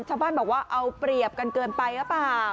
ชาวบ้านบอกว่าเอาเปรียบกันเกินไปหรือเปล่า